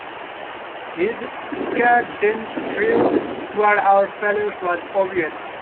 His Schadenfreude toward our failures was obvious.